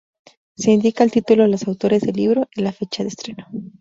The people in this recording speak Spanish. Se indica el título, los autores del libro y la fecha de estreno.